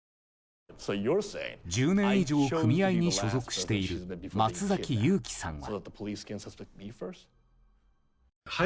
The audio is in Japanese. １０年以上組合に所属している松崎悠希さんは。